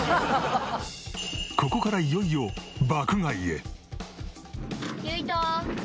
ここからいよいよ爆買いへ。